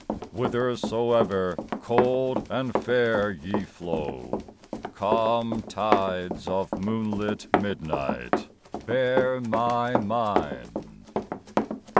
Whithersoever cold and fair ye flow, Calm tides of moonlit midnight, bear my mind!